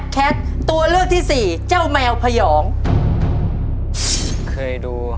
เคยดู